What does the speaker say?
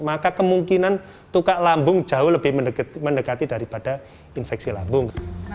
maka kemungkinan tukak lambung jauh lebih mendekati daripada infeksi lambung